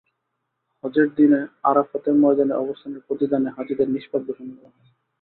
হজের দিনে আরাফাতের ময়দানে অবস্থানের প্রতিদানে হাজিদের নিষ্পাপ ঘোষণা করা হয়।